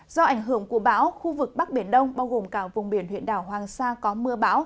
do ảnh hưởng của bão khu vực bắc biển đông bao gồm cả vùng biển huyện đảo hoàng sa có mưa bão